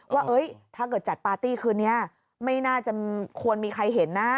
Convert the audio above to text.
ว่าถ้าเกิดจัดปาร์ตี้คืนนี้ไม่น่าจะควรมีใครเห็นนะ